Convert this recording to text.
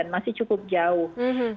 masih cukup jauh